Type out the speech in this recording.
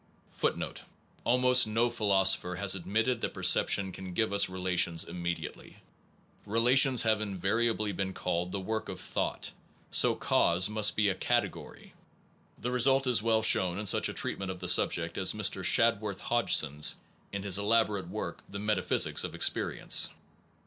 1 1 Almost no philosopher has admitted that perception can give us relations immediately. Relations have invariably been called the work of thought, so cause must be a category. The result is well shown in such a treatment of the subject as Mr. Shadworth Hodgson s, in his elaborate work the Metaphysic of Experience.